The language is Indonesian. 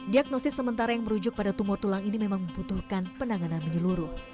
diagnosis sementara yang merujuk pada tumor tulang ini memang membutuhkan penanganan menyeluruh